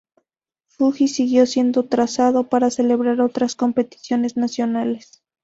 Fuji siguió siendo trazado para celebrar otras competiciones nacionales.